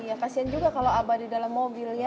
oh iya kasihan juga kalau abah di dalam mobil ya